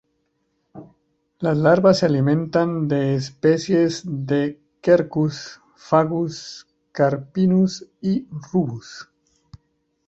Las larvas se alimentan de especies de "Quercus", "Fagus", "Carpinus" y "Rubus".